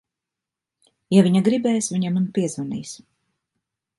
Ja viņa gribēs, viņa man piezvanīs.